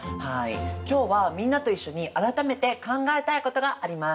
今日はみんなと一緒に改めて考えたいことがあります。